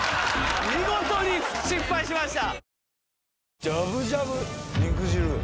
見事に失敗しました。